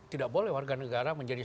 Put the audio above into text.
tidak boleh warga negara menjadi